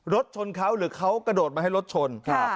รถชนเขาหรือเขากระโดดมาให้รถชน